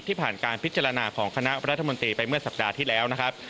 ผ่านการพิจารณาของคณะรัฐมนตรีไปเมื่อสัปดาห์ที่แล้วนะครับ